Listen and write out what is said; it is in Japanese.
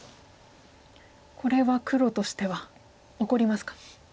これは黒としては怒りますか？